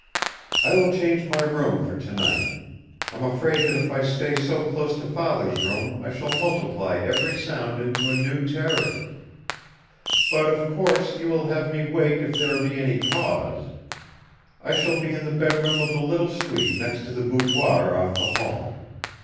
I will change my room for tonight. I'm afraid that if I stay so close to Father's room I shall multiply every sound into a new terror. But, of course, you will have me waked if there be any cause. I shall be in the bedroom of the little suite next the boudoir off the hall.